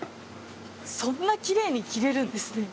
そんなキレイに切れるんですね。